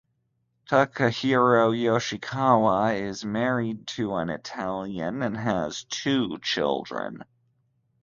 Takahiro Yoshikawa is married to an Italian and has two children.